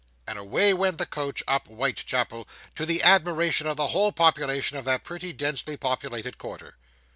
And away went the coach up Whitechapel, to the admiration of the whole population of that pretty densely populated quarter.